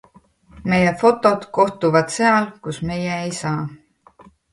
Meie fotod kohtuvad seal, kus meie ei saa.